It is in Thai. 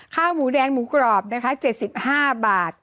ข้าวหมูแดงหมูกรอบนะคะ๗๕บาท